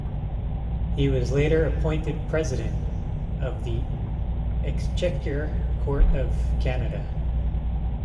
He was later appointed president of the Exchequer Court of Canada.